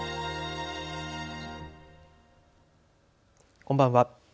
こんばんは。